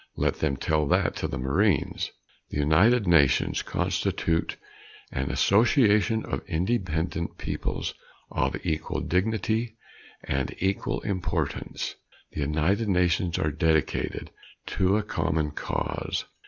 Let them tell that to the Marines! The United Nations constitute an association of independent peoples of equal dignity and equal importance. The United Nations are dedicated to a common cause.